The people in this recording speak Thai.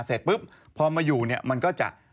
เสร็จปุ๊บพอมาอยู่เนี่ยมันก็จะ